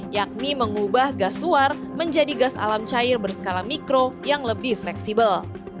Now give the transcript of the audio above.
yakni mengubah gas suar menjadi gas alam cair berskala mikro yang lebih fleksibel